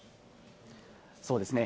そうですね。